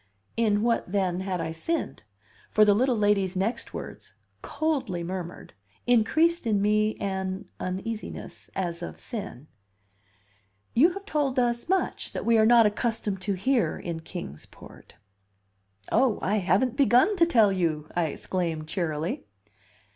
In what, then, had I sinned? For the little lady's next words, coldly murmured, increased in me an uneasiness, as of sin: "You have told us much that we are not accustomed to hear in Kings Port." "Oh, I haven't begun to tell you!" I exclaimed cheerily.